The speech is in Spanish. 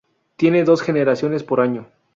Tiene dos generaciones por año.